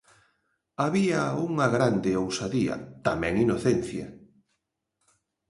Había unha grande ousadía, tamén inocencia.